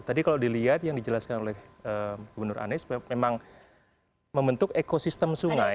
tadi kalau dilihat yang dijelaskan oleh gubernur anies memang membentuk ekosistem sungai